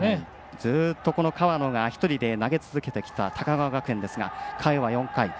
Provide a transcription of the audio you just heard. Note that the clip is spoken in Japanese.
ずっと河野が１人で投げ続けてきた高川学園ですが、回は４回。